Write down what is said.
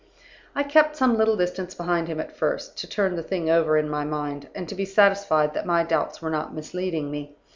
"I kept some little distance behind him at first, to turn the thing over in my mind, and to be satisfied that my doubts were not misleading me.